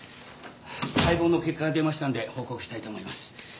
解剖の結果が出ましたんで報告したいと思います。